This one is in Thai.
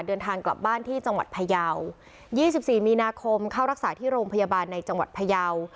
เดินทางกลับบ้านที่จังหวัดพยาว๒๔มีนาคมเข้ารักษาที่โรงพยาบาลในจังหวัดพยาว